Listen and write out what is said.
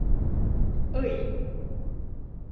— Ый...